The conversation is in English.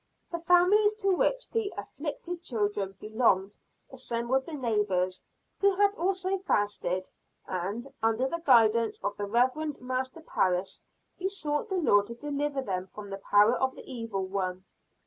The families to which the "afflicted children" belonged assembled the neighbors who had also fasted and, under the guidance of the Reverend Master Parris, besought the Lord to deliver them from the power of the Evil One.